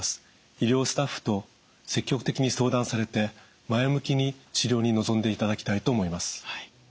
医療スタッフと積極的に相談されて前向きに治療に臨んでいただきたいと思います。